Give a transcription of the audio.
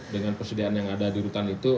dengan persediaan yang ada di rutan itu